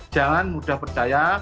jangan mudah percaya